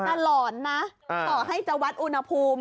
แต่หลอนนะต่อให้จะวัดอุณหภูมิ